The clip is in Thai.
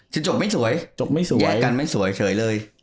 จะจบไม่สวยเหยะกันไม่สวยเฉยเลย